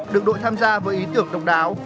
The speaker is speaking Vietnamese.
được đội tham gia với ý tưởng độc đáo